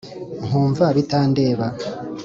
nkumva bitandeba